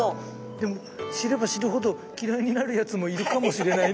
でも知れば知るほど嫌いになるやつもいるかもしれないね。